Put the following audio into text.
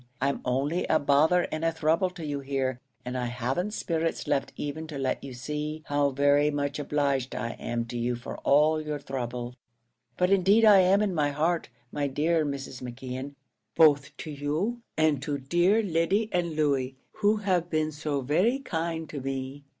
I'm only a bother and a throuble to you here, and I hav'n't spirits left even to let you see how very much obliged I am to you for all your throuble; but indeed I am in my heart, my dear Mrs. McKeon, both to you and to dear Lyddy and Louey, who have been so very kind to me.